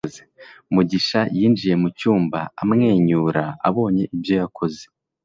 Mugisha yinjiye mu cyumba, amwenyura abonye ibyo yakoze.